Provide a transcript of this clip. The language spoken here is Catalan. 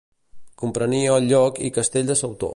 Comprenia el lloc i castell de Sautó.